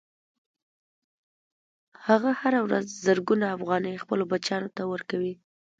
هغه هره ورځ زرګونه افغانۍ خپلو بچیانو ته ورکوي